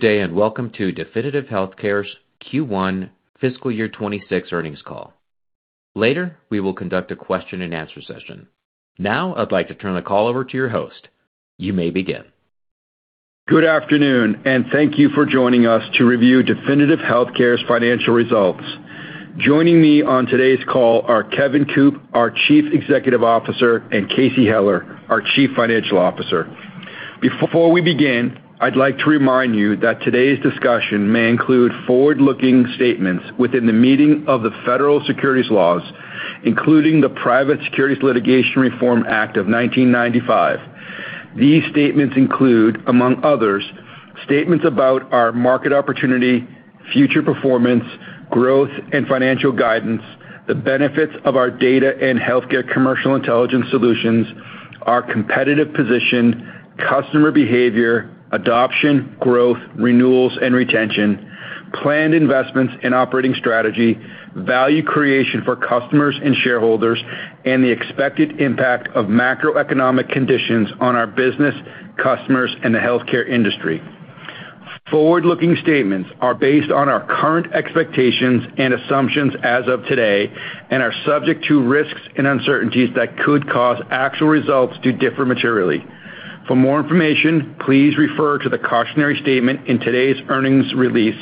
Good day. Welcome to Definitive Healthcare's Q1 fiscal year 2026 earnings call. Later, we will conduct a question and answer session. I'd like to turn the call over to your host. You may begin. Good afternoon, and thank you for joining us to review Definitive Healthcare's financial results. Joining me on today's call are Kevin Coop, our Chief Executive Officer, and Casey Heller, our Chief Financial Officer. Before we begin, I'd like to remind you that today's discussion may include forward-looking statements within the meaning of the Federal Securities laws, including the Private Securities Litigation Reform Act of 1995. These statements include, among others, statements about our market opportunity, future performance, growth and financial guidance, the benefits of our data and healthcare commercial intelligence solutions, our competitive position, customer behavior, adoption, growth, renewals, and retention, planned investments in operating strategy, value creation for customers and shareholders, and the expected impact of macroeconomic conditions on our business, customers, and the healthcare industry. Forward-looking statements are based on our current expectations and assumptions as of today and are subject to risks and uncertainties that could cause actual results to differ materially. For more information, please refer to the cautionary statement in today's earnings release,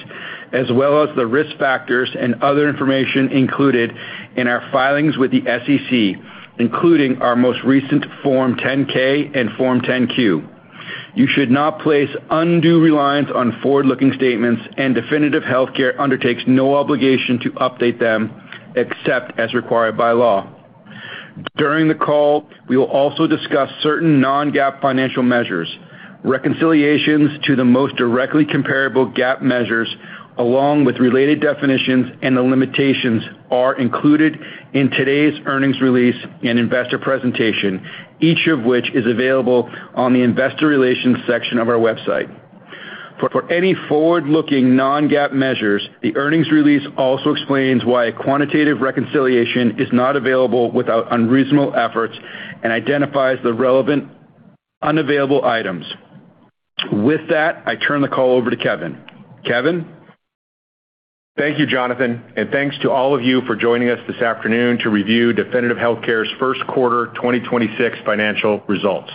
as well as the risk factors and other information included in our filings with the SEC, including our most recent Form 10-K and Form 10-Q. You should not place undue reliance on forward-looking statements and Definitive Healthcare undertakes no obligation to update them except as required by law. During the call, we will also discuss certain non-GAAP financial measures. Reconciliations to the most directly comparable GAAP measures, along with related definitions and the limitations are included in today's earnings release and investor presentation, each of which is available on the investor relations section of our website. For any forward-looking non-GAAP measures, the earnings release also explains why a quantitative reconciliation is not available without unreasonable efforts and identifies the relevant unavailable items. With that, I turn the call over to Kevin. Kevin? Thank you, Jonathan, and thanks to all of you for joining us this afternoon to review Definitive Healthcare's first quarter 2026 financial results.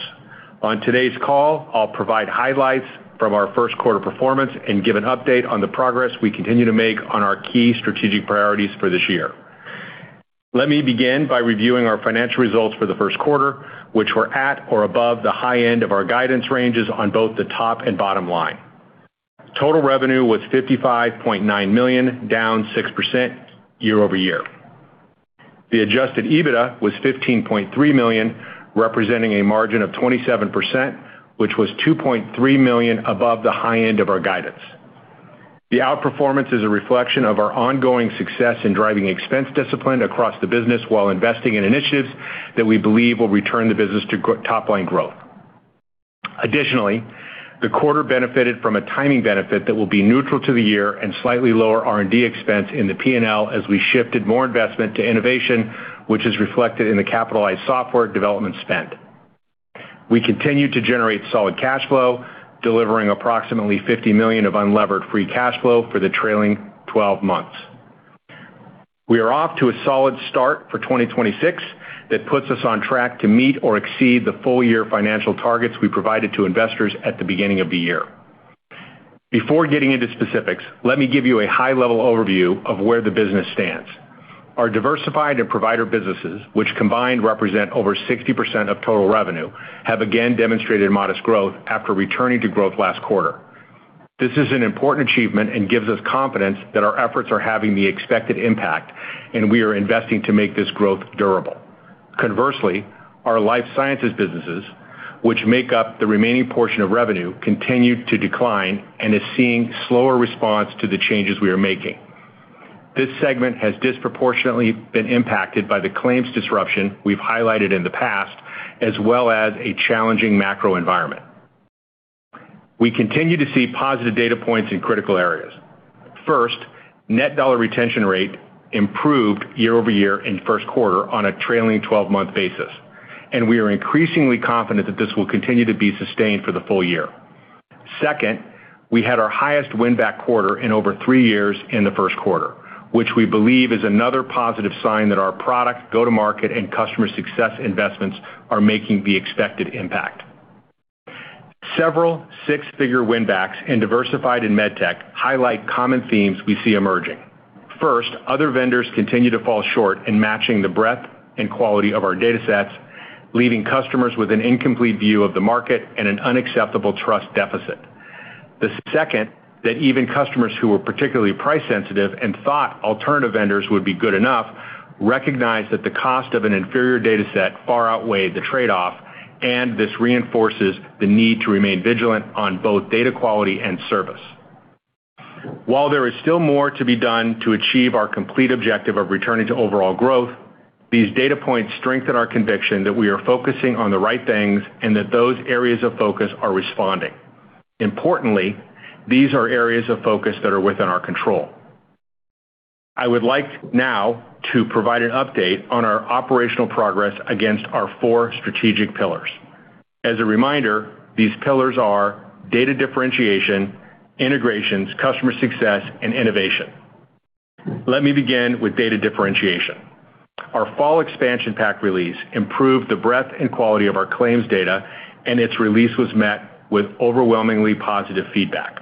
On today's call, I'll provide highlights from our first quarter performance and give an update on the progress we continue to make on our key strategic priorities for this year. Let me begin by reviewing our financial results for the first quarter, which were at or above the high end of our guidance ranges on both the top and bottom line. Total revenue was $55.9 million, down 6% year-over-year. The Adjusted EBITDA was $15.3 million, representing a margin of 27%, which was $2.3 million above the high end of our guidance. The outperformance is a reflection of our ongoing success in driving expense discipline across the business while investing in initiatives that we believe will return the business to topline growth. Additionally, the quarter benefited from a timing benefit that will be neutral to the year and slightly lower R&D expense in the P&L as we shifted more investment to innovation, which is reflected in the capitalized software development spend. We continue to generate solid cash flow, delivering approximately $50 million of unlevered free cash flow for the trailing 12 months. We are off to a solid start for 2026 that puts us on track to meet or exceed the full year financial targets we provided to investors at the beginning of the year. Before getting into specifics, let me give you a high-level overview of where the business stands. Our diversified and provider businesses, which combined represent over 60% of total revenue, have again demonstrated modest growth after returning to growth last quarter. This is an important achievement and gives us confidence that our efforts are having the expected impact, and we are investing to make this growth durable. Conversely, our life sciences businesses, which make up the remaining portion of revenue, continued to decline and is seeing slower response to the changes we are making. This segment has disproportionately been impacted by the claims disruption we've highlighted in the past, as well as a challenging macro environment. We continue to see positive data points in critical areas. First, net dollar retention rate improved year-over-year in first quarter on a trailing 12-month basis, and we are increasingly confident that this will continue to be sustained for the full year. Second, we had our highest win-back quarter in over three years in the first quarter, which we believe is another positive sign that our product, go-to-market, and customer success investments are making the expected impact. Several six-figure win backs in diversified and med tech highlight common themes we see emerging. First, other vendors continue to fall short in matching the breadth and quality of our datasets, leaving customers with an incomplete view of the market and an unacceptable trust deficit. The second, that even customers who are particularly price sensitive and thought alternative vendors would be good enough recognize that the cost of an inferior dataset far outweighed the trade-off. This reinforces the need to remain vigilant on both data quality and service. While there is still more to be done to achieve our complete objective of returning to overall growth, these data points strengthen our conviction that we are focusing on the right things and that those areas of focus are responding. Importantly, these are areas of focus that are within our control. I would like now to provide an update on our operational progress against our four strategic pillars. As a reminder, these pillars are data differentiation, integrations, customer success, and innovation. Let me begin with data differentiation. Our fall expansion pack release improved the breadth and quality of our claims data, and its release was met with overwhelmingly positive feedback.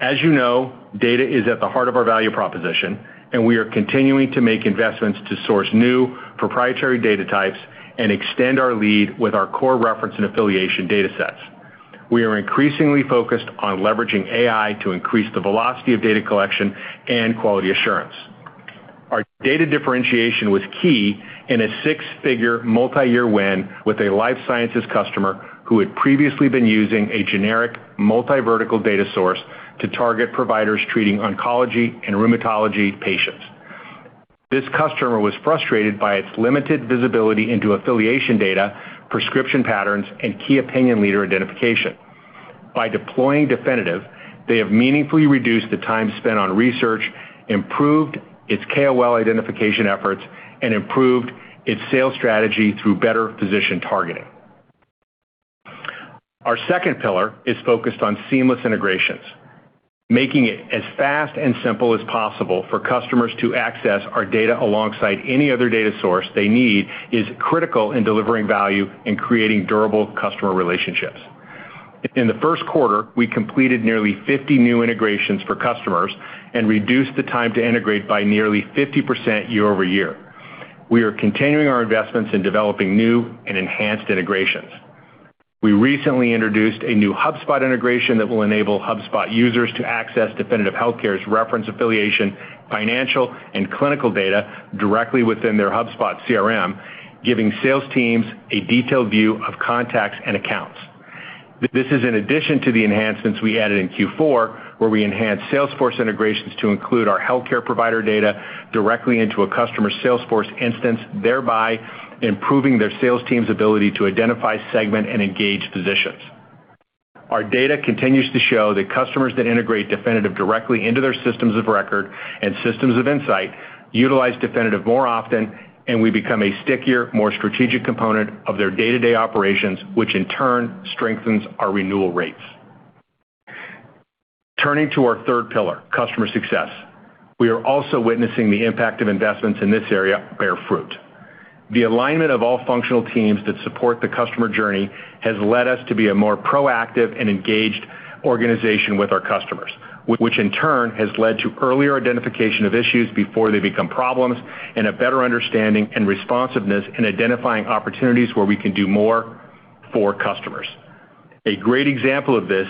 As you know, data is at the heart of our value proposition, and we are continuing to make investments to source new proprietary data types and extend our lead with our core reference and affiliation datasets. We are increasingly focused on leveraging AI to increase the velocity of data collection and quality assurance. Our data differentiation was key in a six-figure multi-year win with a life sciences customer who had previously been using a generic multi-vertical data source to target providers treating oncology and rheumatology patients. This customer was frustrated by its limited visibility into affiliation data, prescription patterns, and key opinion leader identification. By deploying Definitive, they have meaningfully reduced the time spent on research, improved its KOL identification efforts, and improved its sales strategy through better physician targeting. Our second pillar is focused on seamless integrations, making it as fast and simple as possible for customers to access our data alongside any other data source they need is critical in delivering value and creating durable customer relationships. In the first quarter, we completed nearly 50 new integrations for customers and reduced the time to integrate by nearly 50% year-over-year. We are continuing our investments in developing new and enhanced integrations. We recently introduced a new HubSpot integration that will enable HubSpot users to access Definitive Healthcare's reference affiliation, financial, and clinical data directly within their HubSpot CRM, giving sales teams a detailed view of contacts and accounts. This is in addition to the enhancements we added in Q4, where we enhanced Salesforce integrations to include our healthcare provider data directly into a customer Salesforce instance, thereby improving their sales team's ability to identify, segment, and engage physicians. Our data continues to show that customers that integrate Definitive directly into their systems of record and systems of insight utilize Definitive more often, and we become a stickier, more strategic component of their day-to-day operations, which in turn strengthens our renewal rates. Turning to our third pillar, customer success. We are also witnessing the impact of investments in this area bear fruit. The alignment of all functional teams that support the customer journey has led us to be a more proactive and engaged organization with our customers, which in turn has led to earlier identification of issues before they become problems and a better understanding and responsiveness in identifying opportunities where we can do more for customers. A great example of this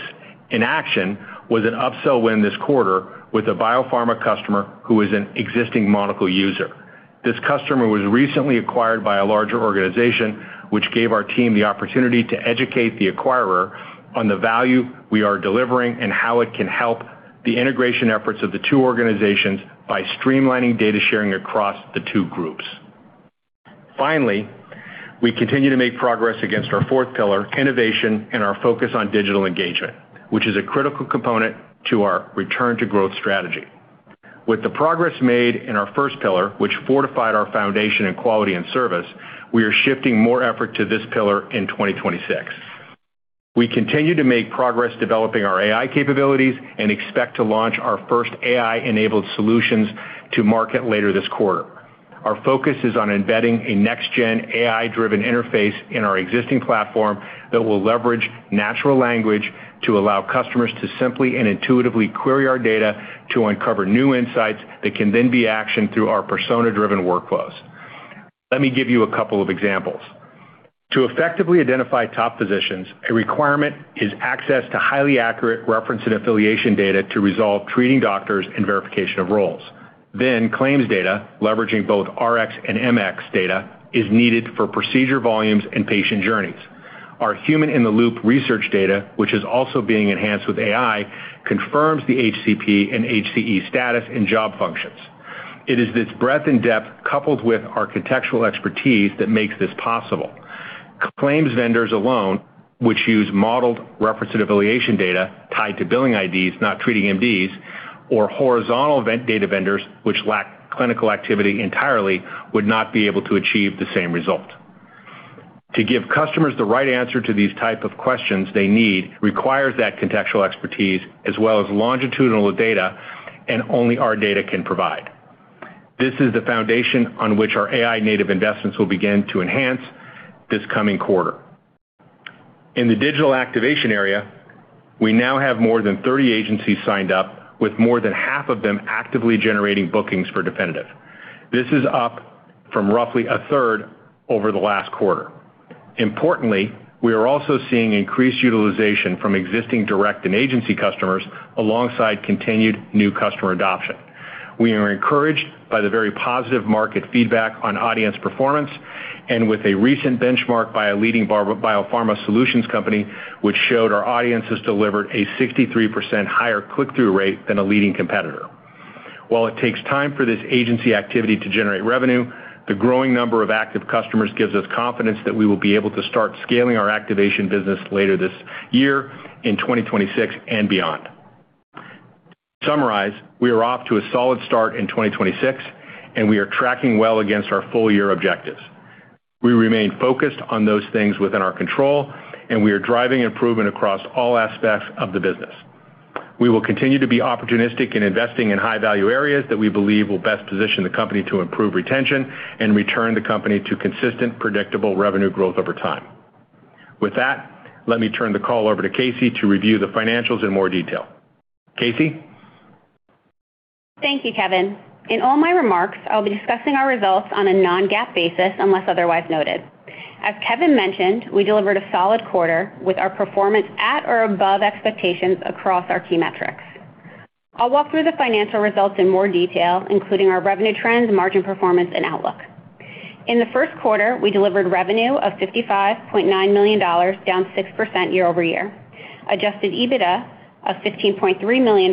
in action was an upsell win this quarter with a biopharma customer who is an existing Monocl user. This customer was recently acquired by a larger organization, which gave our team the opportunity to educate the acquirer on the value we are delivering and how it can help the integration efforts of the two organizations by streamlining data sharing across the two groups. Finally, we continue to make progress against our fourth pillar, innovation and our focus on digital engagement, which is a critical component to our return to growth strategy. With the progress made in our first pillar, which fortified our foundation in quality and service, we are shifting more effort to this pillar in 2026. We continue to make progress developing our AI capabilities and expect to launch our first AI-enabled solutions to market later this quarter. Our focus is on embedding a next-gen AI-driven interface in our existing platform that will leverage natural language to allow customers to simply and intuitively query our data to uncover new insights that can then be actioned through our persona-driven workflows. Let me give you a couple of examples. To effectively identify top physicians, a requirement is access to highly accurate reference and affiliation data to resolve treating doctors and verification of roles. Then, claims data, leveraging both RX and MX data, is needed for procedure volumes and patient journeys. Our human-in-the-loop research data, which is also being enhanced with AI, confirms the HCP and HCE status and job functions. It is this breadth and depth coupled with our contextual expertise that makes this possible. Claims vendors alone, which use modeled reference and affiliation data tied to billing IDs, not treating MDs or horizontal data vendors, which lack clinical activity entirely, would not be able to achieve the same result. To give customers the right answer to these type of questions they need requires that contextual expertise as well as longitudinal data and only our data can provide. This is the foundation on which our AI native investments will begin to enhance this coming quarter. In the digital activation area, we now have more than 30 agencies signed up with more than half of them actively generating bookings for Definitive. This is up from roughly a third over the last quarter. Importantly, we are also seeing increased utilization from existing direct and agency customers alongside continued new customer adoption. We are encouraged by the very positive market feedback on audience performance and with a recent benchmark by a leading biopharma solutions company, which showed our audiences delivered a 63% higher click-through rate than a leading competitor. While it takes time for this agency activity to generate revenue. The growing number of active customers gives us confidence that we will be able to start scaling our activation business later this year in 2026 and beyond. To summarize, we are off to a solid start in 2026, and we are tracking well against our full year objectives. We remain focused on those things within our control, and we are driving improvement across all aspects of the business. We will continue to be opportunistic in investing in high-value areas that we believe will best position the company to improve retention and return the company to consistent, predictable revenue growth over time. With that, let me turn the call over to Casey to review the financials in more detail. Casey? Thank you, Kevin. In all my remarks, I'll be discussing our results on a non-GAAP basis unless otherwise noted. As Kevin mentioned, we delivered a solid quarter with our performance at or above expectations across our key metrics. I'll walk through the financial results in more detail, including our revenue trends, margin performance, and outlook. In the first quarter, we delivered revenue of $55.9 million, down 6% year-over-year. Adjusted EBITDA of $15.3 million,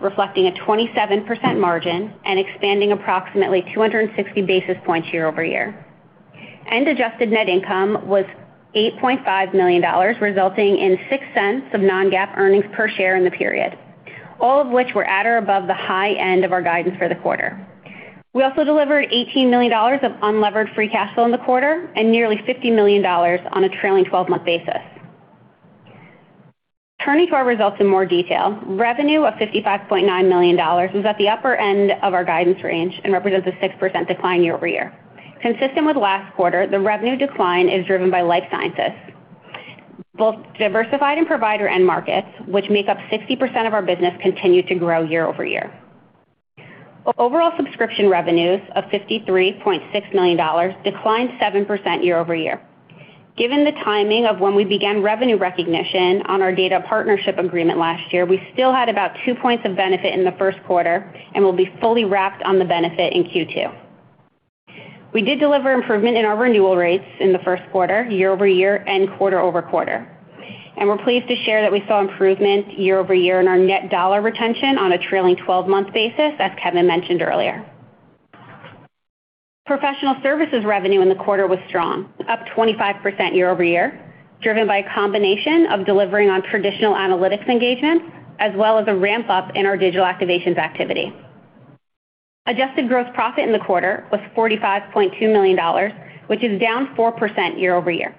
reflecting a 27% margin and expanding approximately 260 basis points year-over-year. Adjusted net income was $8.5 million, resulting in $0.06 of non-GAAP earnings per share in the period, all of which were at or above the high end of our guidance for the quarter. We also delivered $18 million of unlevered free cash flow in the quarter and nearly $50 million on a trailing-12-month basis. Turning to our results in more detail. Revenue of $55.9 million was at the upper end of our guidance range and represents a 6% decline year-over-year. Consistent with last quarter, the revenue decline is driven by life sciences. Both diversified and provider end markets, which make up 60% of our business, continued to grow year-over-year. Overall subscription revenues of $53.6 million declined 7% year-over-year. Given the timing of when we began revenue recognition on our data partnership agreement last year, we still had about two points of benefit in the first quarter and will be fully wrapped on the benefit in Q2. We did deliver improvement in our renewal rates in the first quarter, year-over-year and quarter-over-quarter. We're pleased to share that we saw improvement year-over-year in our net dollar retention on a trailing-12-month basis, as Kevin mentioned earlier. Professional services revenue in the quarter was strong, up 25% year-over-year, driven by a combination of delivering on traditional analytics engagements as well as a ramp-up in our digital activations activity. adjusted gross profit in the quarter was $45.2 million, which is down 4% year-over-year.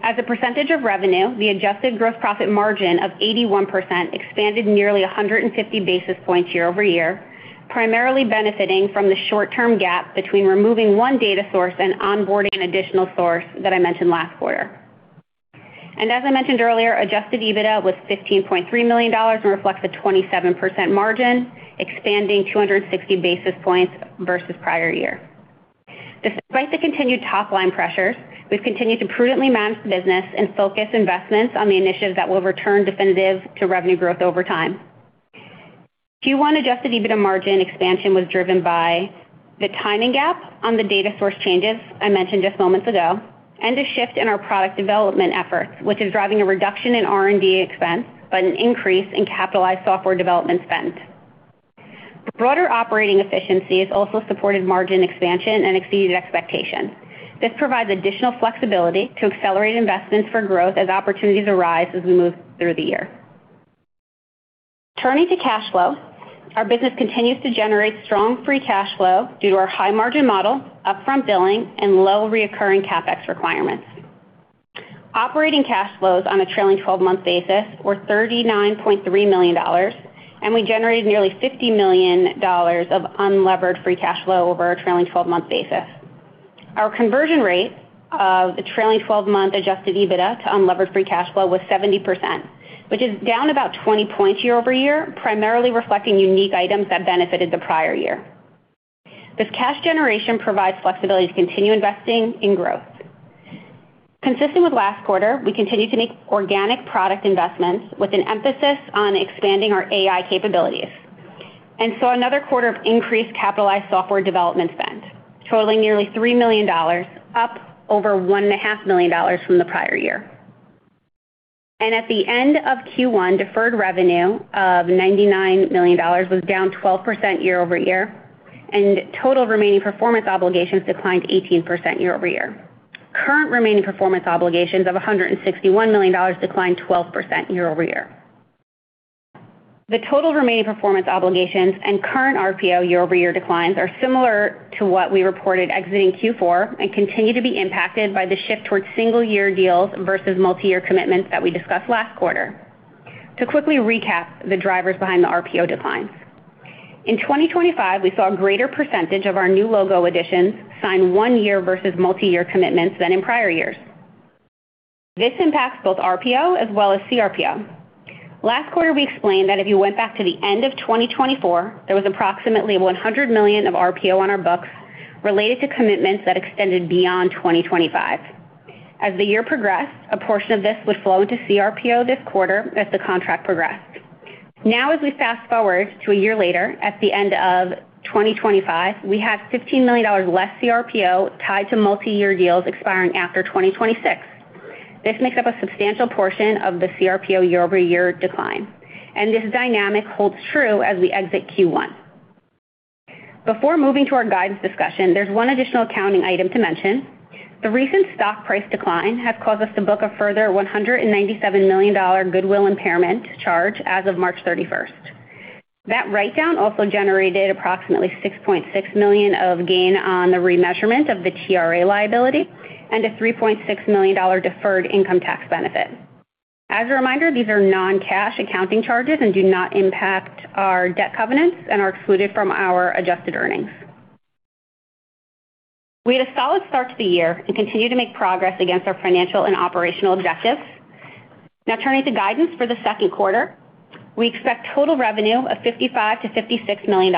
As a percentage of revenue, the adjusted gross profit margin of 81% expanded nearly 150 basis points year-over-year, primarily benefiting from the short-term gap between removing one data source and onboarding an additional source that I mentioned last quarter. As I mentioned earlier, adjusted EBITDA was $15.3 million and reflects a 27% margin, expanding 260 basis points versus prior year. Despite the continued top-line pressures, we've continued to prudently manage the business and focus investments on the initiatives that will return Definitive to revenue growth over time. Q1 adjusted EBITDA margin expansion was driven by the timing gap on the data source changes I mentioned just moments ago, and a shift in our product development efforts, which is driving a reduction in R&D expense, but an increase in capitalized software development spend. Broader operating efficiencies also supported margin expansion and exceeded expectations. This provides additional flexibility to accelerate investments for growth as opportunities arise as we move through the year. Turning to cash flow, our business continues to generate strong free cash flow due to our high-margin model, upfront billing, and low reoccurring CapEx requirements. Operating cash flows on a trailing-12-month basis were $39.3 million, and we generated nearly $50 million of unlevered free cash flow over a trailing-12-month basis. Our conversion rate of the trailing-12-month Adjusted EBITDA to unlevered free cash flow was 70%, which is down about 20 points year-over-year, primarily reflecting unique items that benefited the prior year. This cash generation provides flexibility to continue investing in growth. Consistent with last quarter, we continue to make organic product investments with an emphasis on expanding our AI capabilities. Another quarter of increased capitalized software development spend, totaling nearly $3 million, up over one and a half million dollars from the prior year. At the end of Q1, deferred revenue of $99 million was down 12% year-over-year, and total remaining performance obligations declined 18% year-over-year. Current remaining performance obligations of $161 million declined 12% year-over-year. The total remaining performance obligations and current RPO year-over-year declines are similar to what we reported exiting Q4 and continue to be impacted by the shift towards single-year deals versus multi-year commitments that we discussed last quarter. To quickly recap the drivers behind the RPO declines. In 2025, we saw a greater percentage of our new logo additions sign one-year versus multi-year commitments than in prior years. This impacts both RPO as well as CRPO. Last quarter, we explained that if you went back to the end of 2024, there was approximately $100 million of RPO on our books related to commitments that extended beyond 2025. As the year progressed, a portion of this would flow into CRPO this quarter as the contract progressed. Now as we fast-forward to a year later, at the end of 2025, we have $15 million less CRPO tied to multi-year deals expiring after 2026. This makes up a substantial portion of the CRPO year-over-year decline, and this dynamic holds true as we exit Q1. Before moving to our guidance discussion, there's one additional accounting item to mention. The recent stock price decline has caused us to book a further $197 million goodwill impairment charge as of March 31st. That write down also generated approximately 6.6 million of gain on the remeasurement of the TRA liability and a $3.6 million deferred income tax benefit. As a reminder, these are non-cash accounting charges and do not impact our debt covenants and are excluded from our adjusted earnings. We had a solid start to the year and continue to make progress against our financial and operational objectives. Turning to guidance for the second quarter. We expect total revenue of $55 million-$56 million,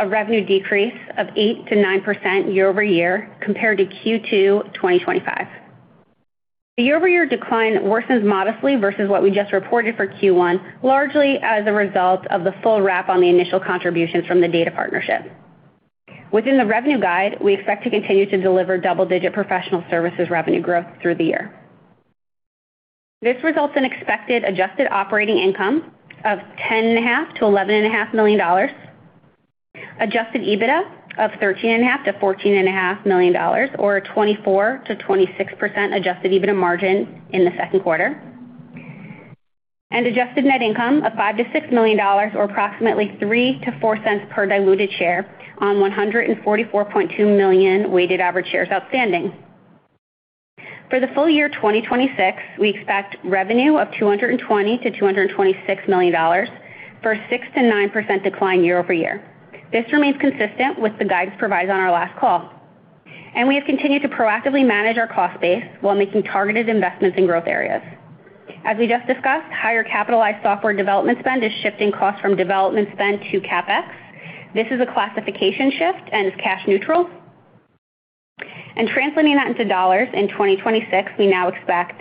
a revenue decrease of 8%-9% year-over-year compared to Q2 2025. The year-over-year decline worsens modestly versus what we just reported for Q1, largely as a result of the full wrap on the initial contributions from the data partnership. Within the revenue guide, we expect to continue to deliver double-digit professional services revenue growth through the year. This results in expected Adjusted Operating Income of $10.5 million-$11.5 million. Adjusted EBITDA of $13.5 million-$14.5 million or 24%-26% Adjusted EBITDA margin in the second quarter. Adjusted Net Income of $5 million-$6 million or approximately $0.03-$0.04 per diluted share on 144.2 million weighted average shares outstanding. For the full year 2026, we expect revenue of $220 million-$226 million for a 6%-9% decline year-over-year. This remains consistent with the guidance provided on our last call, and we have continued to proactively manage our cost base while making targeted investments in growth areas. As we just discussed, higher capitalized software development spend is shifting costs from development spend to CapEx. This is a classification shift and is cash neutral. Translating that into dollars in 2026, we now expect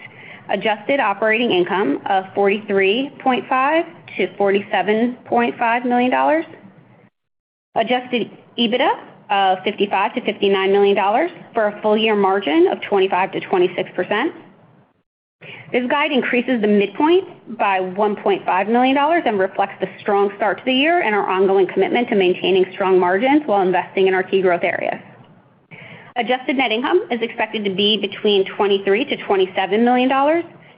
Adjusted operating income of $43.5 million-$47.5 million. Adjusted EBITDA of $55 million-$59 million for a full year margin of 25%-26%. This guide increases the midpoint by $1.5 million and reflects the strong start to the year and our ongoing commitment to maintaining strong margins while investing in our key growth areas. Adjusted net income is expected to be between $23 million-$27 million,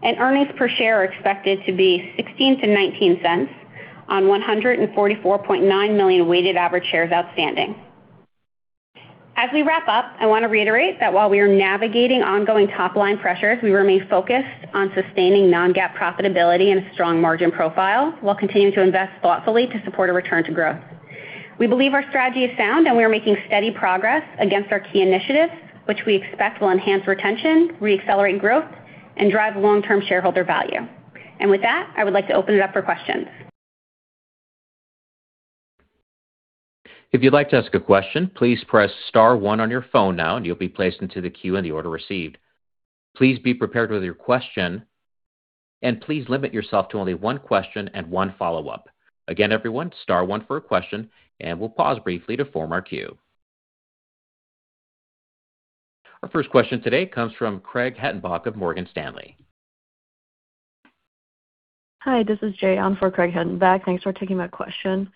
and earnings per share are expected to be $0.16-$0.19 on 144.9 million weighted average shares outstanding. As we wrap up, I want to reiterate that while we are navigating ongoing top-line pressures, we remain focused on sustaining non-GAAP profitability and a strong margin profile while continuing to invest thoughtfully to support a return to growth. We believe our strategy is sound, and we are making steady progress against our key initiatives, which we expect will enhance retention, re-accelerate growth, and drive long-term shareholder value. With that, I would like to open it up for questions. If you'd like to ask a question, please press star one on your phone now, and you'll be placed into the queue in the order received. Please be prepared with your question, and please limit yourself to only one question and one follow-up. Again, everyone, star one for a question, and we'll pause briefly to form our queue. Our first question today comes from Craig Hettenbach of Morgan Stanley. Hi, this is Jay on for Craig Hettenbach. Thanks for taking my question.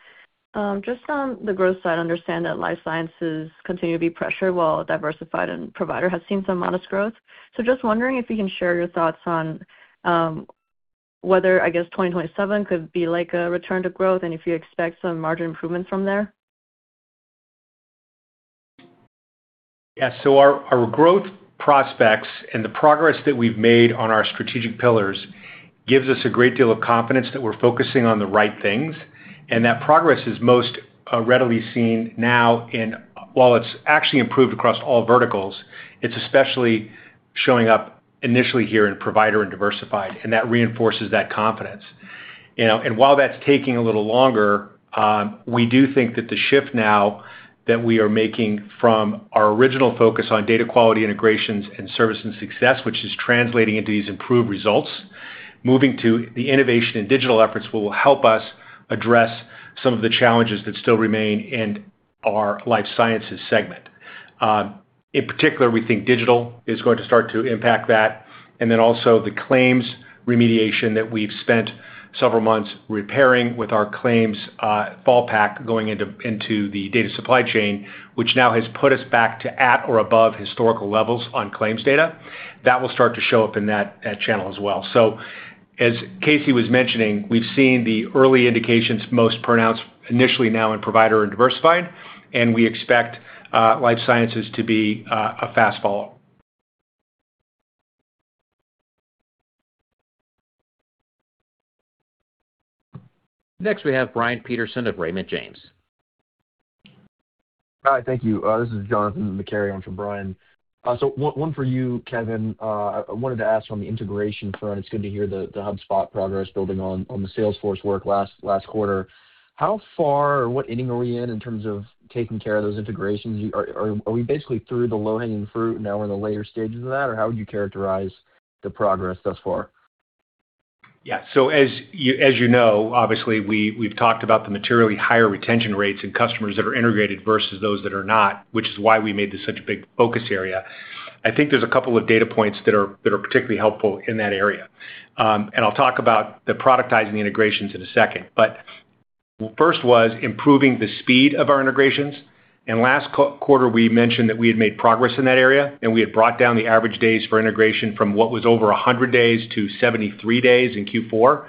Just on the growth side, I understand that life sciences continue to be pressured while diversified and provider has seen some modest growth. Just wondering if you can share your thoughts on whether I guess 2027 could be like a return to growth and if you expect some margin improvements from there. Yeah. Our growth prospects and the progress that we've made on our strategic pillars gives us a great deal of confidence that we're focusing on the right things, and that progress is most readily seen now in While it's actually improved across all verticals, it's especially showing up initially here in provider and diversified, and that reinforces that confidence. You know, while that's taking a little longer, we do think that the shift now that we are making from our original focus on data quality integrations and service and success, which is translating into these improved results, moving to the innovation and digital efforts will help us address some of the challenges that still remain in our life sciences segment. In particular, we think digital is going to start to impact that, and then also the claims remediation that we've spent several months repairing with our claims fallback going into the data supply chain, which now has put us back to at or above historical levels on claims data. That will start to show up in that channel as well. As Casey was mentioning, we've seen the early indications most pronounced initially now in provider and diversified, and we expect life sciences to be a fast follow. Next, we have Brian Peterson of Raymond James. Hi. Thank you. This is Johnathan McCary on for Brian. One for you, Kevin. I wanted to ask on the integration front. It's good to hear the HubSpot progress building on the Salesforce work last quarter. How far or what inning are we in in terms of taking care of those integrations? Are we basically through the low-hanging fruit and now we're in the later stages of that? Or how would you characterize the progress thus far? Yeah, as you know, obviously, we've talked about the materially higher retention rates in customers that are integrated versus those that are not, which is why we made this such a big focus area. I think there's a couple of data points that are particularly helpful in that area. I'll talk about the productizing the integrations in a second. First was improving the speed of our integrations. Last quarter, we mentioned that we had made progress in that area, and we had brought down the average days for integration from what was over 100 days to 73 days in Q4.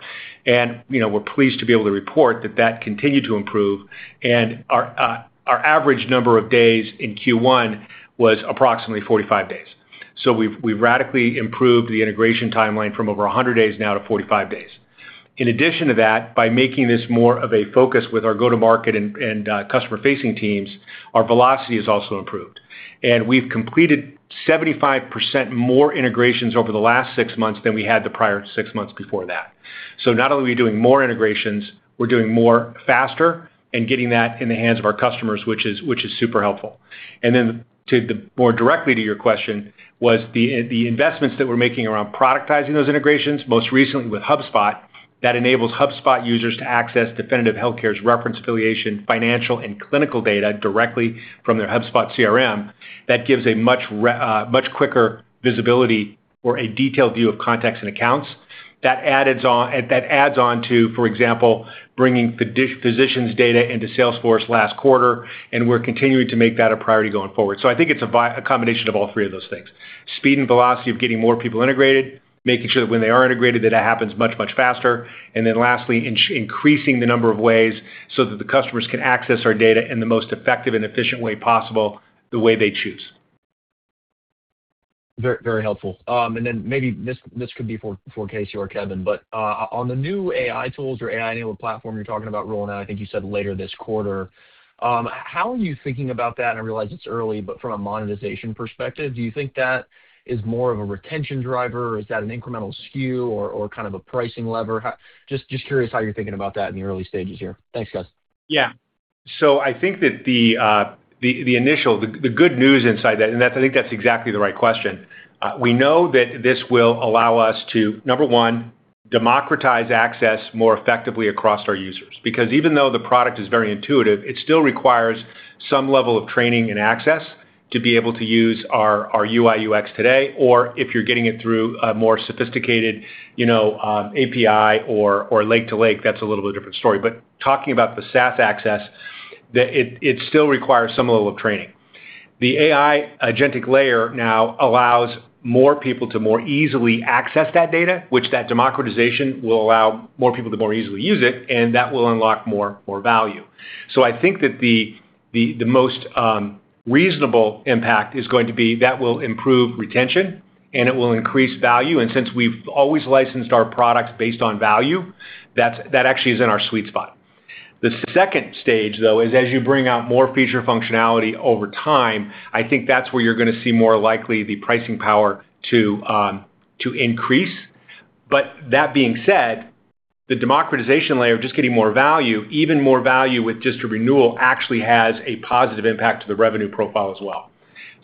You know, we're pleased to be able to report that that continued to improve, and our average number of days in Q1 was approximately 45 days. So we've radically improved the integration timeline from over 100 days now to 45 days. In addition to that, by making this more of a focus with our go-to-market and customer-facing teams, our velocity has also improved. We've completed 75% more integrations over the last six months than we had the prior six months before that. Not only are we doing more integrations, we're doing more faster and getting that in the hands of our customers, which is super helpful. Then more directly to your question was the investments that we're making around productizing those integrations, most recently with HubSpot, that enables HubSpot users to access Definitive Healthcare's reference affiliation, financial, and clinical data directly from their HubSpot CRM. That gives a much quicker visibility or a detailed view of contacts and accounts. That adds on to, for example, bringing physicians' data into Salesforce last quarter. We're continuing to make that a priority going forward. I think it's a combination of all three of those things. Speed and velocity of getting more people integrated, making sure that when they are integrated, that it happens much faster. Lastly, increasing the number of ways so that the customers can access our data in the most effective and efficient way possible, the way they choose. Very, very helpful. Then maybe this could be for Casey or Kevin, but on the new AI tools or AI-enabled platform you're talking about rolling out, I think you said later this quarter, how are you thinking about that? I realize it's early, but from a monetization perspective, do you think that is more of a retention driver, or is that an incremental SKU or kind of a pricing lever? Just curious how you're thinking about that in the early stages here. Thanks, guys. Yeah. I think that the initial, the good news inside that, and I think that's exactly the right question. We know that this will allow us to, number one, democratize access more effectively across our users. Because even though the product is very intuitive, it still requires some level of training and access to be able to use our UI/UX today, or if you're getting it through a more sophisticated, you know, API or lake to lake, that's a little bit different story. Talking about the SaaS access, it still requires some level of training. The AI agentic layer now allows more people to more easily access that data, which that democratization will allow more people to more easily use it, and that will unlock more value. I think that the most reasonable impact is going to be that will improve retention, and it will increase value. Since we've always licensed our products based on value, that actually is in our sweet spot. The second stage, though, is as you bring out more feature functionality over time, I think that's where you're gonna see more likely the pricing power to increase. That being said, the democratization layer of just getting more value, even more value with just a renewal, actually has a positive impact to the revenue profile as well.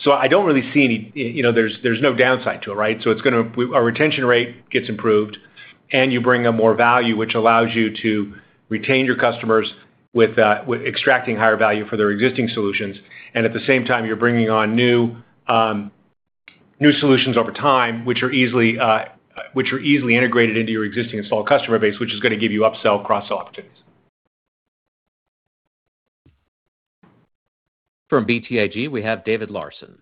I don't really see any You know, there's no downside to it, right? Our retention rate gets improved, and you bring them more value, which allows you to retain your customers with extracting higher value for their existing solutions. At the same time, you're bringing on new solutions over time, which are easily integrated into your existing installed customer base, which is gonna give you upsell cross opportunities. From BTIG, we have David Larsen.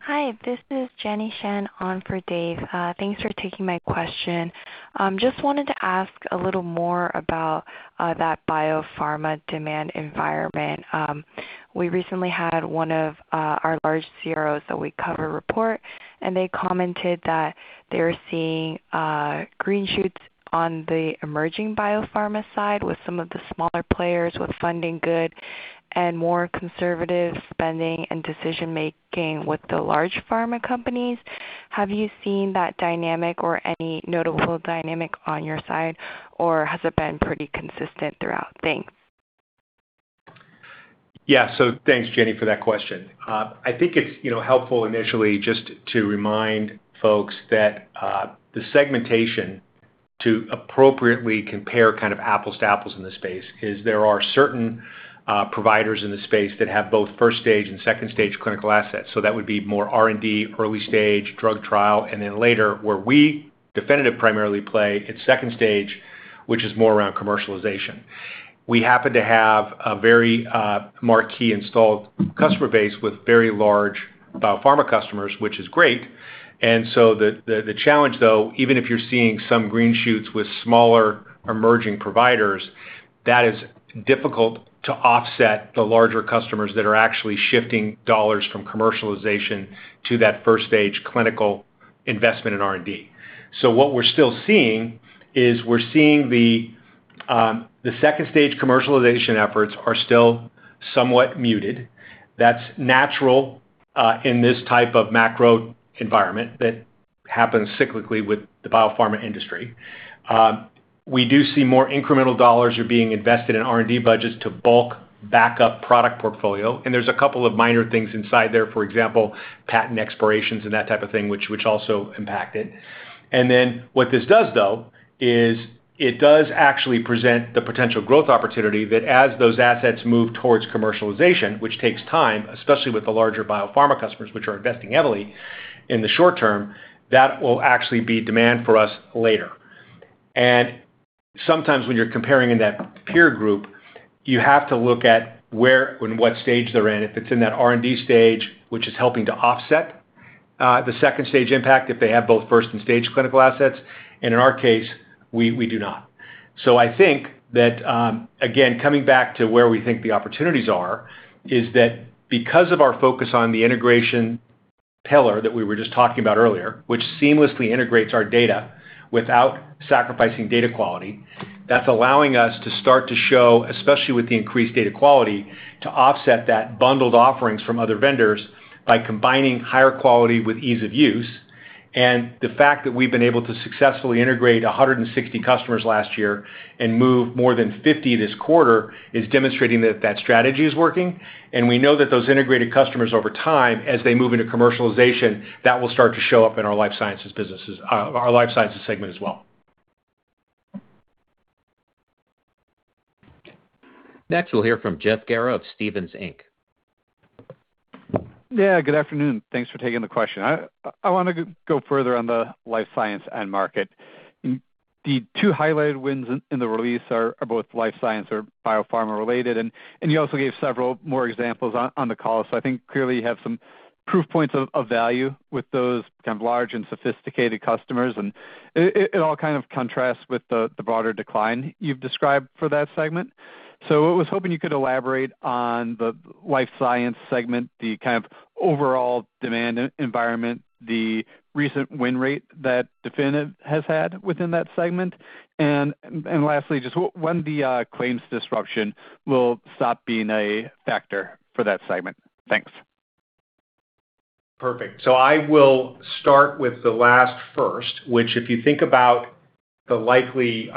Hi, this is Jenny Shen on for Dave. Thanks for taking my question. Just wanted to ask a little more about that biopharma demand environment. We recently had one of our large CROs that we cover report, and they commented that they're seeing green shoots on the emerging biopharma side with some of the smaller players with funding good and more conservative spending and decision-making with the large pharma companies. Have you seen that dynamic or any notable dynamic on your side, or has it been pretty consistent throughout? Thanks. Yeah. So thanks, Jenny, for that question. I think it's, you know, helpful initially just to remind folks that the segmentation to appropriately compare kind of apples to apples in this space is there are certain providers in the space that have both first stage and second stage clinical assets. That would be more R&D, early stage, drug trial, and then later, where we Definitive primarily play, it's second stage, which is more around commercialization. We happen to have a very marquee installed customer base with very large biopharma customers, which is great. The challenge though, even if you're seeing some green shoots with smaller emerging providers, that is difficult to offset the larger customers that are actually shifting dollars from commercialization to that first stage clinical investment in R&D. What we're still seeing is we're seeing the second stage commercialization efforts are still somewhat muted. That's natural in this type of macro environment that happens cyclically with the biopharma industry. We do see more incremental dollars are being invested in R&D budgets to bulk backup product portfolio. There's a couple of minor things inside there, for example, patent expirations and that type of thing, which also impact it. What this does though, is it does actually present the potential growth opportunity that as those assets move towards commercialization, which takes time, especially with the larger biopharma customers, which are investing heavily in the short term, that will actually be demand for us later. Sometimes when you're comparing in that peer group, you have to look at where and what stage they're in. If it's in that R&D stage, which is helping to offset the second stage impact if they have both first and stage clinical assets. In our case, we do not. I think that again, coming back to where we think the opportunities are, is that because of our focus on the integration pillar that we were just talking about earlier, which seamlessly integrates our data without sacrificing data quality, that's allowing us to start to show, especially with the increased data quality, to offset that bundled offerings from other vendors by combining higher quality with ease of use. The fact that we've been able to successfully integrate 160 customers last year and move more than 50 this quarter is demonstrating that that strategy is working. We know that those integrated customers over time, as they move into commercialization, that will start to show up in our Life Sciences segment as well. Next, we'll hear from Jeff Garro of Stephens Inc. Yeah. Good afternoon. Thanks for taking the question. I want to go further on the life science end market. The two highlighted wins in the release are both life science or biopharma related, you also gave several more examples on the call. I think clearly you have some proof points of value with those kind of large and sophisticated customers. It all kind of contrasts with the broader decline you've described for that segment. I was hoping you could elaborate on the life science segment, the kind of overall demand environment, the recent win rate that Definitive Healthcare has had within that segment. Lastly, just when the claims disruption will stop being a factor for that segment. Thanks. Perfect. So I will start with the last first, which if you think about the likely,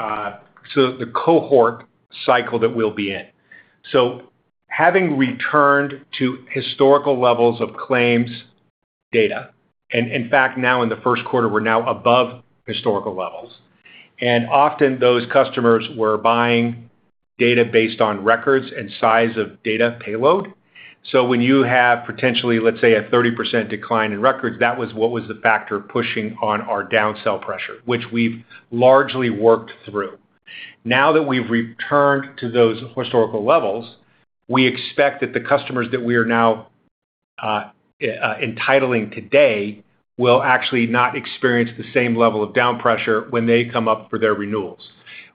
the cohort cycle that we'll be in. Having returned to historical levels of claims data, and in fact now in the first quarter, we're now above historical levels. Often those customers were buying data based on records and size of data payload. When you have potentially, let's say, a 30% decline in records, that was what was the factor pushing on our down sell pressure, which we've largely worked through. Now that we've returned to those historical levels, we expect that the customers that we are now entitling today will actually not experience the same level of down pressure when they come up for their renewals.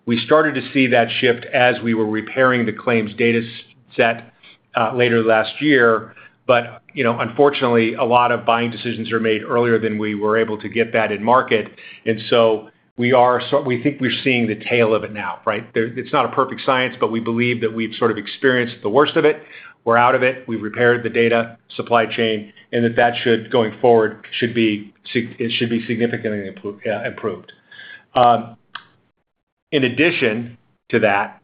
We started to see that shift as we were repairing the claims data set later last year. You know, unfortunately, a lot of buying decisions are made earlier than we were able to get that in market. We think we're seeing the tail of it now, right? It's not a perfect science, but we believe that we've sort of experienced the worst of it. We're out of it. We've repaired the data supply chain, and that should, going forward, should be significantly improved. In addition to that,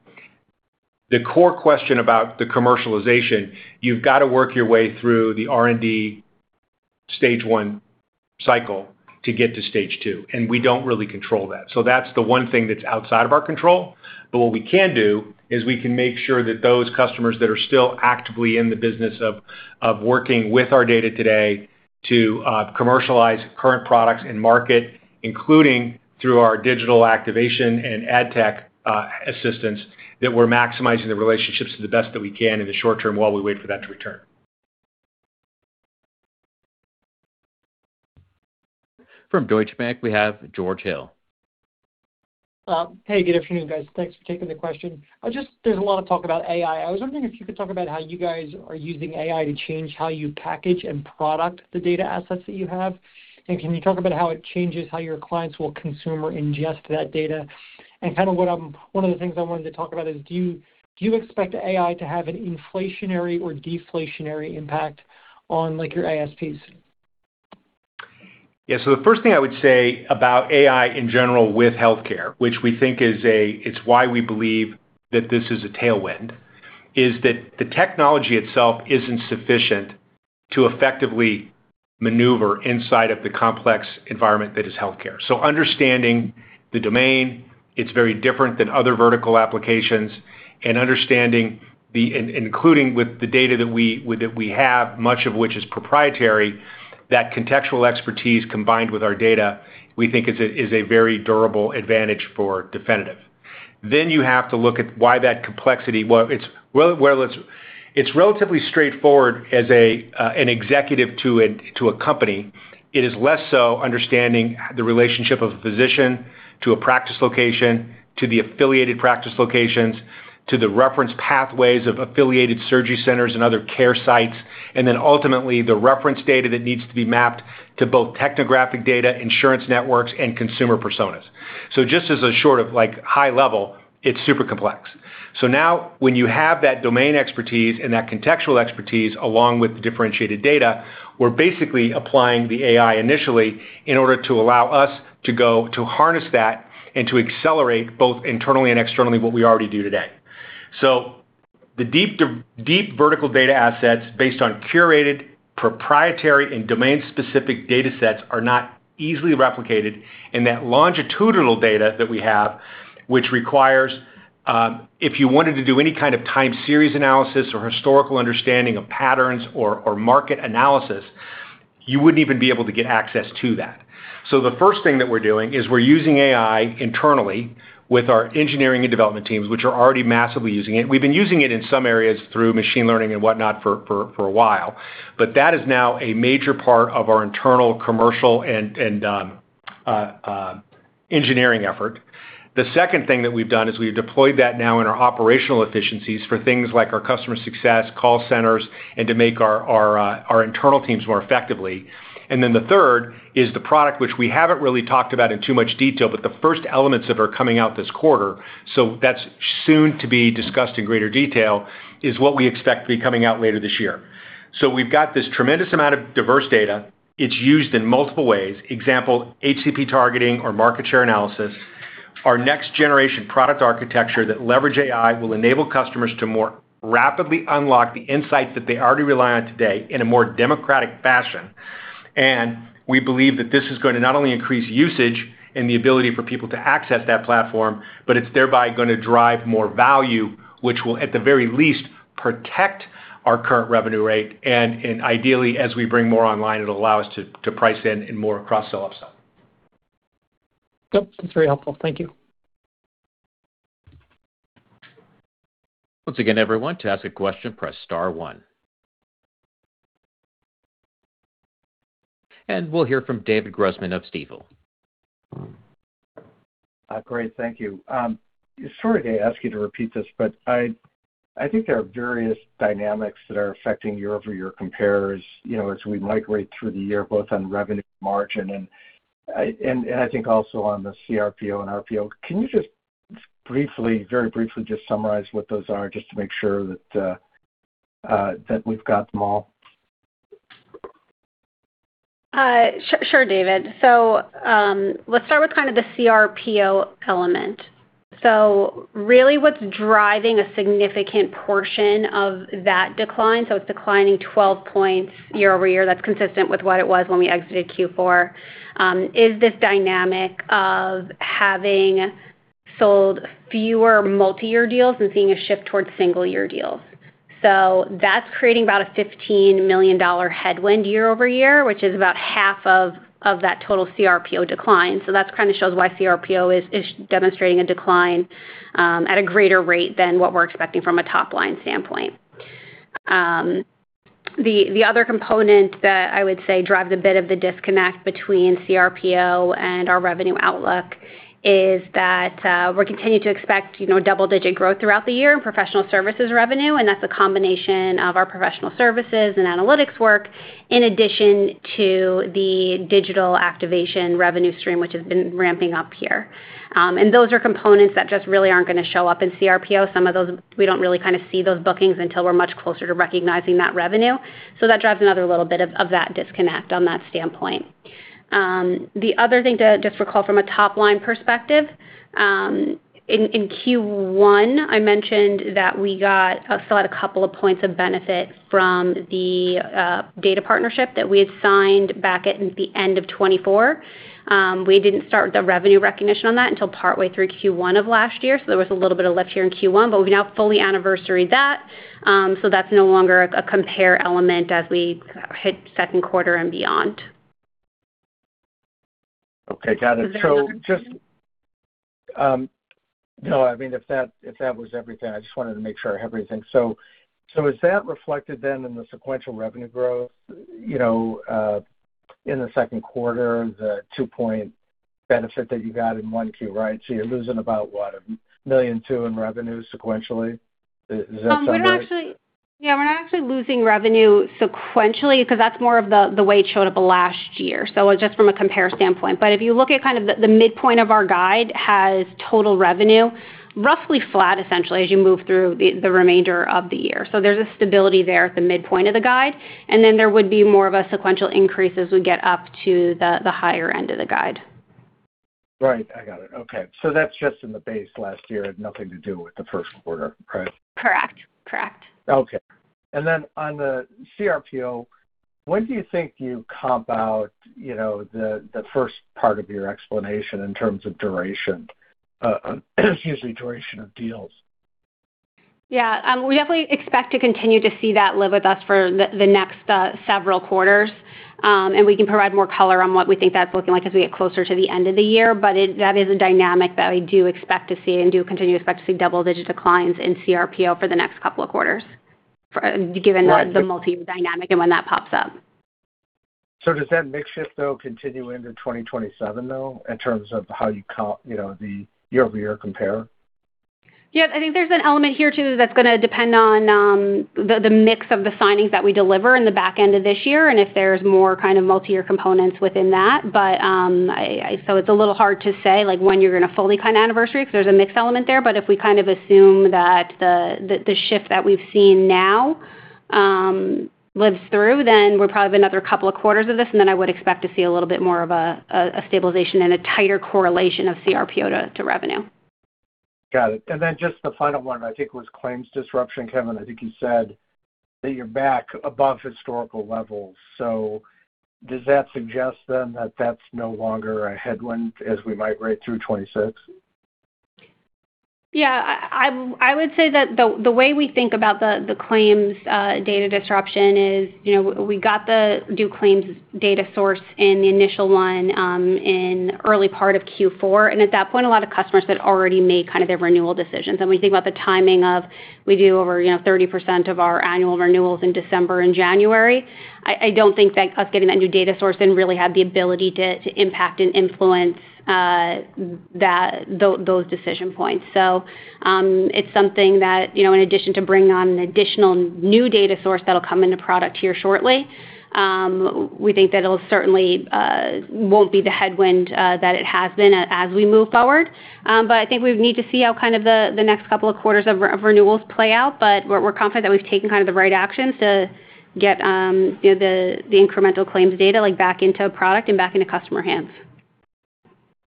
the core question about the commercialization, you've gotta work your way through the R&D stage 1 cycle to get to stage 2, and we don't really control that. That's the one thing that's outside of our control. What we can do is we can make sure that those customers that are still actively in the business of working with our data today to commercialize current products and market, including through our digital activation and ad tech assistance, that we're maximizing the relationships to the best that we can in the short term while we wait for that to return. From Deutsche Bank, we have George Hill. Hey, good afternoon, guys. Thanks for taking the question. There's a lot of talk about AI. I was wondering if you could talk about how you guys are using AI to change how you package and product the data assets that you have. Can you talk about how it changes how your clients will consume or ingest that data? One of the things I wanted to talk about is do you expect AI to have an inflationary or deflationary impact on, like, your ASPs? Yeah. The first thing I would say about AI in general with healthcare, which we think is a it's why we believe that this is a tailwind, is that the technology itself isn't sufficient to effectively maneuver inside of the complex environment that is healthcare. Understanding the domain, it's very different than other vertical applications, and understanding the including with the data that we have, much of which is proprietary, that contextual expertise combined with our data, we think is a very durable advantage for Definitive. You have to look at why that complexity. Well, it's relatively straightforward as a an executive to a company. It is less so understanding the relationship of a physician to a practice location, to the affiliated practice locations, to the reference pathways of affiliated surgery centers and other care sites, and then ultimately the reference data that needs to be mapped to both technographic data, insurance networks, and consumer personas. Just as a short of, like, high level, it's super complex. Now when you have that domain expertise and that contextual expertise along with differentiated data, we're basically applying the AI initially in order to allow us to go to harness that and to accelerate both internally and externally what we already do today. The deep vertical data assets based on curated proprietary and domain-specific data sets are not easily replicated, and that longitudinal data that we have, which requires, if you wanted to do any kind of time series analysis or historical understanding of patterns or market analysis, you wouldn't even be able to get access to that. The first thing that we're doing is we're using AI internally with our engineering and development teams, which are already massively using it. We've been using it in some areas through machine learning and whatnot for a while, but that is now a major part of our internal commercial and engineering effort. The second thing that we've done is we've deployed that now in our operational efficiencies for things like our customer success, call centers, and to make our internal teams more effectively. Then, the third is the product which we haven't really talked about in too much detail, but the first elements of are coming out this quarter, so that's soon to be discussed in greater detail, is what we expect to be coming out later this year. We've got this tremendous amount of diverse data. It's used in multiple ways. Example, HCP targeting or market share analysis. Our next generation product architecture that leverage AI will enable customers to more rapidly unlock the insights that they already rely on today in a more democratic fashion. We believe that this is going to not only increase usage and the ability for people to access that platform, but it is thereby going to drive more value, which will, at the very least, protect our current revenue rate and, ideally, as we bring more online, it will allow us to price in more cross sell/upsell. Yep. That's very helpful. Thank you. Once again, everyone, to ask a question, press star one. We'll hear from David Grossman of Stifel. Great. Thank you. Sorry to ask you to repeat this, but I think there are various dynamics that are affecting year-over-year compares, you know, as we migrate through the year, both on revenue margin and I think also on the CRPO and RPO. Can you just briefly, very briefly just summarize what those are, just to make sure that we've got them all? Sure, David. Let's start with kind of the CRPO element. What's driving a significant portion of that decline, it's declining 12 points year-over-year, that's consistent with what it was when we exited Q4, is this dynamic of having sold fewer multi-year deals and seeing a shift towards single year deals. That's creating about a $15 million headwind year-over-year, which is about half of that total CRPO decline. That's kinda shows why CRPO is demonstrating a decline at a greater rate than what we're expecting from a top-line standpoint. The other component that I would say drives a bit of the disconnect between CRPO and our revenue outlook is that we're continuing to expect, you know, double-digit growth throughout the year in professional services revenue, and that's a combination of our professional services and analytics work, in addition to the digital activation revenue stream, which has been ramping up here. Those are components that just really aren't gonna show up in CRPO. Some of those, we don't really see those bookings until we're much closer to recognizing that revenue. That drives another little bit of that disconnect on that standpoint. The other thing to just recall from a top-line perspective, in Q1, I mentioned that we still had a couple of points of benefit from the data partnership that we had signed back at the end of 2024. We didn't start the revenue recognition on that until partway through Q1 of last year, so there was a little bit of lift here in Q1, but we've now fully anniversaried that, so that's no longer a compare element as we hit second quarter and beyond. Okay. Got it. Is there another- No, I mean, if that was everything, I just wanted to make sure I have everything. Is that reflected then in the sequential revenue growth, you know, in the second quarter, the two-point benefit that you got in 1Q, right? You're losing about, what, $1.2 million in revenue sequentially? Is that summary? We're not actually losing revenue sequentially 'cause that's more of the way it showed up last year, so just from a compare standpoint. If you look at kind of the midpoint of our guide has total revenue, roughly flat essentially as you move through the remainder of the year. There's a stability there at the midpoint of the guide, and then there would be more of a sequential increase as we get up to the higher end of the guide. Right. I got it. Okay. That's just in the base last year. It had nothing to do with the first quarter, correct? Correct. Correct. Okay. Then on the CRPO, when do you think you comp out, you know, the first part of your explanation in terms of duration, excuse me, duration of deals? Yeah. We definitely expect to continue to see that live with us for the next several quarters. We can provide more color on what we think that's looking like as we get closer to the end of the year. That is a dynamic that we do expect to see and do continue to expect to see double-digit declines in CRPO for the next couple of quarters for given the Right the multi dynamic and when that pops up. Does that mix shift though continue into 2027 though, in terms of how you know, the year-over-year compare? Yeah. I think there's an element here too that's gonna depend on the mix of the signings that we deliver in the back end of this year and if there's more kind of multi-year components within that. It's a little hard to say, like, when you're gonna fully kind of anniversary 'cause there's a mix element there. If we kind of assume that the shift that we've seen now lives through, then we're probably another couple of quarters of this, and then I would expect to see a little bit more of a stabilization and a tighter correlation of CRPO to revenue. Got it. Then, just the final one I think was claims disruption. Kevin, I think you said that you're back above historical levels. Does that suggest then that that's no longer a headwind as we migrate through 2026? Yeah. I would say that the way we think about the claims data disruption is, you know, we got the new claims data source in the initial one in early part of Q4. At that point, a lot of customers had already made kind of their renewal decisions. We think about the timing of we do over, you know, 30% of our annual renewals in December and January. I don't think that us getting that new data source didn't really have the ability to impact and influence that, those decision points. It's something that, you know, in addition to bringing on an additional new data source that'll come into product here shortly, we think that it'll certainly won't be the headwind that it has been as we move forward. I think we need to see how kind of the next couple of quarters of renewals play out, but we're confident that we've taken kind of the right actions to get the incremental claims data back into a product and back into customer hands.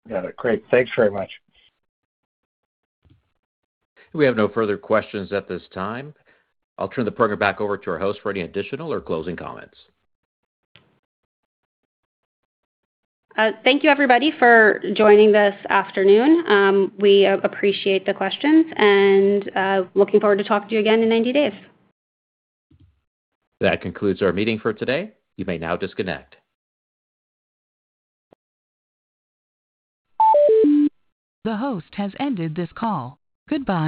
Got it. Great. Thanks very much. We have no further questions at this time. I'll turn the program back over to our host for any additional or closing comments. Thank you everybody for joining this afternoon. We appreciate the questions and looking forward to talk to you again in 90 days. That concludes our meeting for today. You may now disconnect. The host has ended this call. Goodbye.